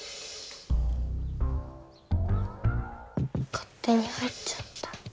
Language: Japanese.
かってに入っちゃった。